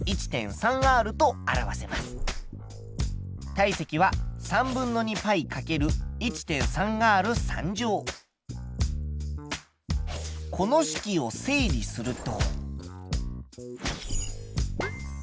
体積はこの式を整理すると。